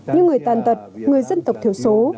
như người tàn tật người dân tộc thiếu số